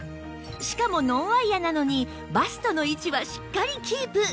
しかもノンワイヤなのにバストの位置はしっかりキープ